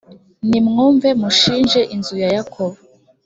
nimwumve mushinje inzu ya yakobo